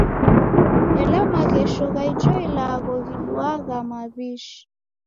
Ela maghesho gha ijo ilagho giduaghai maw'ishi.